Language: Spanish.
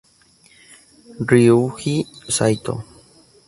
Ryuji Saito